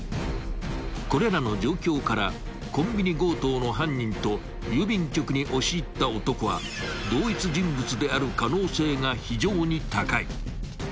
［これらの状況からコンビニ強盗の犯人と郵便局に押し入った男は同一人物である可能性が非常に高い］